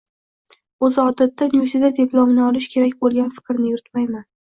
Oʻzi odatda universitet diplomini olish kerak boʻlgan fikrni yuritmayman.